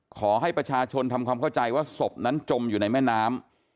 ขอให้ประชาชนทำความเข้าใจว่าศพนั้นจมอยู่ในแม่น้ำ